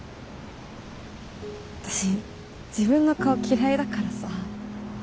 私自分の顔嫌いだからさ。